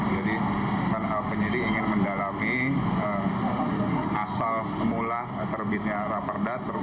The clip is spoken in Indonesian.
jadi penyidik ingin mendalami asal mula terbitnya raporda